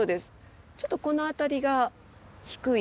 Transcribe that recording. ちょっとこの辺りが低い。